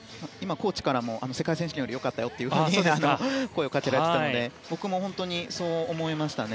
コーチからも世界選手権より良かったと声をかけられていたので僕も本当にそう思いましたね。